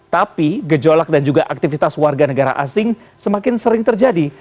tapi gejolak dan juga aktivitas warga negara asing semakin sering terjadi